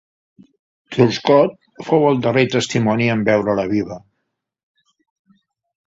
Truscott fou el darrer testimoni en veure-la viva.